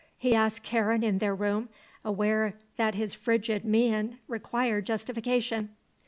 he asked Karen in their room, aware that his frigid mien required justification.